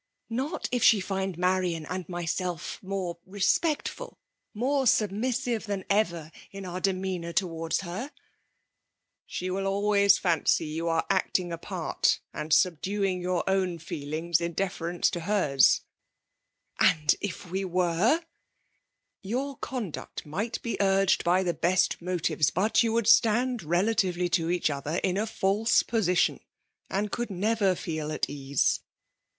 ^ Not if she find Marian and myself more respectful — more submissive than ever in our demeanour towards her T' " She will always fancy you are acting a part^ and subduing your own feelings in de« ference to hers/* •' And if we were f —*'*' Your conduct might be urged by the best motives ; but you jwould stand relatively to each other in a false position; and could never feel at ease.